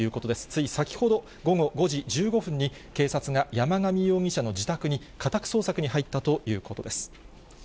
つい先ほど、午後５時１５分に、警察が山上容疑者の自宅に家宅捜索に入ったということです。